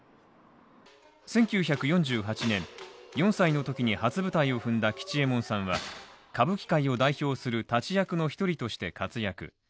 １９４８年、４歳のときに初舞台を踏んだ吉右衛門さんは歌舞伎界を代表する立役の１人として活躍。